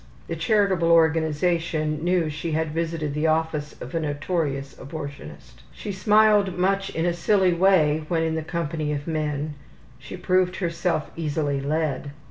(The charitable organization knew she had visited the office of a notorious abortionist.) She smiled much in a silly way when in the company of men; she proved herself easily led.